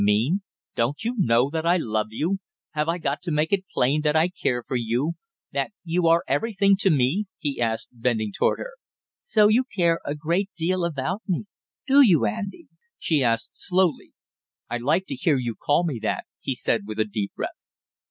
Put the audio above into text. "Mean, don't you know that I love you? Have I got to make it plain that I care for you, that you are everything to me?" he asked, bending toward her. "So you care a great deal about me, do you, Andy?" she asked slowly. "I like to hear you call me that!" he said with a deep breath.